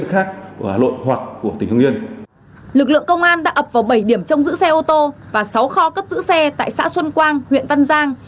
lực lượng công an đã ập vào bảy điểm trông giữ xe ô tô và sáu kho cất giữ xe tại xã xuân quang huyện văn giang